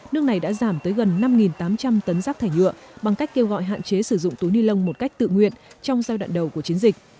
nước này đã giảm tới gần năm tám trăm linh tấn rác thải nhựa bằng cách kêu gọi hạn chế sử dụng túi ni lông một cách tự nguyện trong giai đoạn đầu của chiến dịch